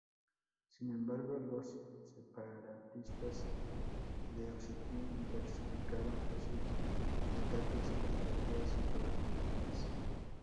Sin embargo, los separatistas de Osetia intensificaron sus ataques contra aldeas georgianas.